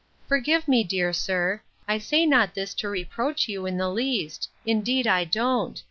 —Forgive me, dear sir, I say not this to reproach you, in the least. Indeed I don't.